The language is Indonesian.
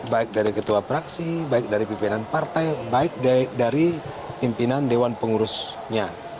baik dari ketua praksi baik dari pimpinan partai baik dari pimpinan dewan pengurusnya